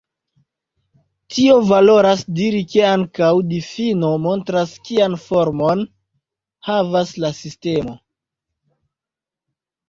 Tio volas diri, ke ankaŭ la difino montras kian formon havas la sistemo.